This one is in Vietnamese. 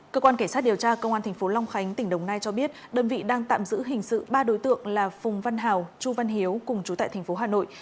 cơ quan kể sát điều tra công an tp long khánh tỉnh đồng nai cho biết đơn vị đang tạm giữ hình sự ba đối tượng là phùng văn hào chu văn hiếu cùng chú tại tp hà nội